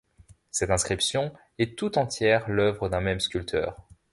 Cette inscription est tout entière l'œuvre d'un même sculpteur.